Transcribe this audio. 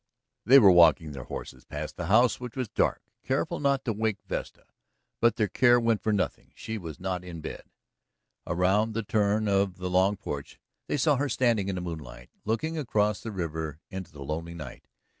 They were walking their horses past the house, which was dark, careful not to wake Vesta. But their care went for nothing; she was not in bed. Around the turn of the long porch they saw her standing in the moonlight, looking across the river into the lonely night.